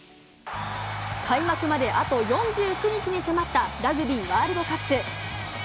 開幕まであと４９日に迫ったラグビーワールドカップ。